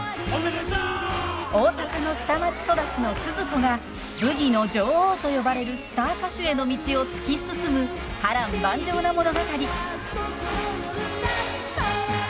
大阪の下町育ちのスズ子がブギの女王と呼ばれるスター歌手への道を突き進む波乱万丈な物語。へいっ！